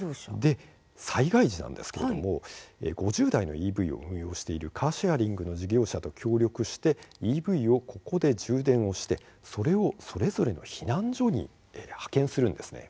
そして災害時ですが５０代のＥＶを運用している、カーシェアリング事業者と協力してＥＶをここで充電してそれをそれぞれの避難所に派遣するんです。